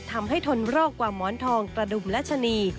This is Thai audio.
ทำให้ทนรอกกว่าหมอนทองประดุมและชนี